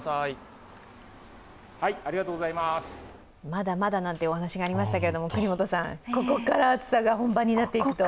まだまだなんてお話がありましたけれども、國本さん、ここから暑さが本番になっていくと。